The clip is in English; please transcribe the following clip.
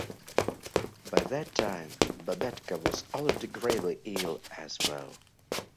By that time, Bobetko was already gravely ill, as well.